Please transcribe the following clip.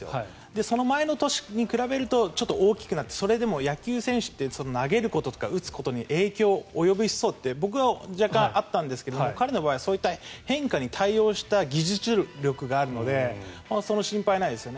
その前の年に比べるとちょっと大きくなってそれでも野球選手って投げることとか打つことに影響が及びそうって僕は若干あったんですが彼の場合はそういった変化に対応した技術力があるのでその心配はないですよね。